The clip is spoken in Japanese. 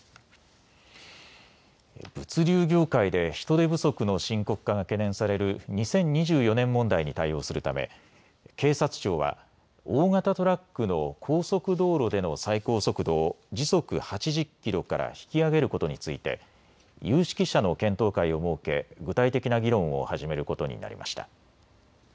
物流業界で人手不足の深刻化が懸念される２０２４年問題に対応するため警察庁は大型トラックの高速道路での最高速度を時速８０キロから引き上げることについて有識者の検討会を設け具体的な議論を始めることになりました。